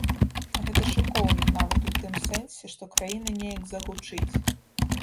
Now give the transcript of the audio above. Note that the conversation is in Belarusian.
Гэта шыкоўна нават у тым сэнсе, што краіна неяк загучыць.